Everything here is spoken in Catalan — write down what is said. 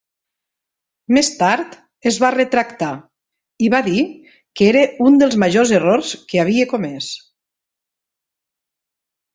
Més tard, es va retractar, i va dir que era un dels majors errors que havia comès.